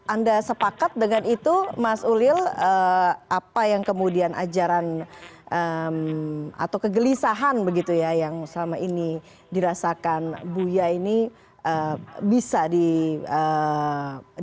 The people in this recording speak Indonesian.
anda sepakat dengan itu mas ulil apa yang kemudian ajaran atau kegelisahan begitu ya yang selama ini dirasakan buya ini bisa diberikan